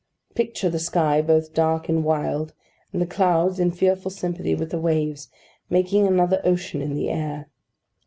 Picture the sky both dark and wild, and the clouds, in fearful sympathy with the waves, making another ocean in the air.